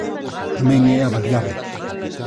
Tamén é avaliable.